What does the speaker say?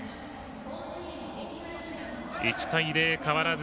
１対０、変わらず。